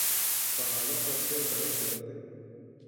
پہاڑوں پر سے برف پگھلتے